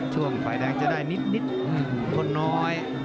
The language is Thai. ช่วงฝ่ายแดงจะได้นิดคนน้อย